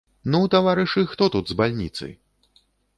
Ну, таварышы, хто тут з бальніцы?